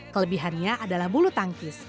kelebihannya adalah bulu tangkis